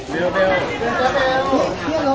ขอบคุณค่ะ